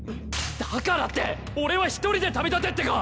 だからって俺は１人で旅立てってか！